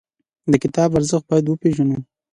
د کتاب ارزښت باید وپېژنو.